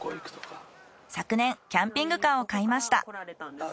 昨年キャンピングカーを買いました。